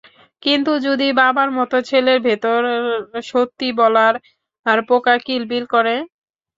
কিন্তু যদি বাবার মতো ছেলের ভেতর সত্যি বলার পোকা কিলবিল করে?